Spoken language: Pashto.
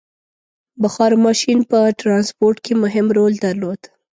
• بخار ماشین په ټرانسپورټ کې مهم رول درلود.